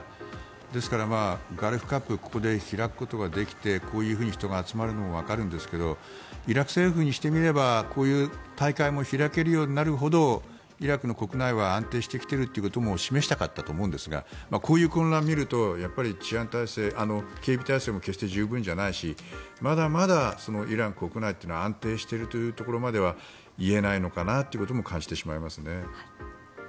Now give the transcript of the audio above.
ですから、ガルフカップここで開くことができてこういうふうに人が集まるのもわかるんですがイラク政府にしてみればこういう大会も開けるようになるほどイラクの国内は安定してきていることも示したかったと思うんですがこういう混乱を見るとやっぱり治安体制、警備体制も決して十分じゃないしまだまだイラク国内は安定しているとまではいえないのかなと感じてしまいますね。